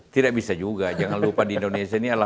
tidak bisa juga jangan lupa di indonesia ini adalah